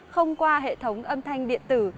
không qua hệ thống âm thanh điện tử